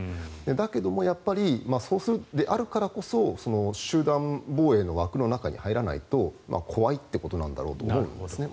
だけど、そうであるからこそ集団防衛の枠の中に入らないと怖いっていうことなんだろうと思いますね。